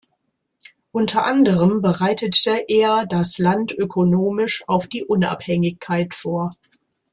Unter anderem bereitete er das Land ökonomisch auf die Unabhängigkeit vor.